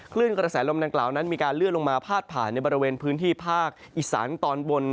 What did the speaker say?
คลื่นกระแสลมดังกล่าวนั้นมีการเลื่อนลงมาพาดผ่านในบริเวณพื้นที่ภาคอีสานตอนบน